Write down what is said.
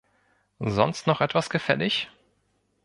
Sonst noch etwas gefällig?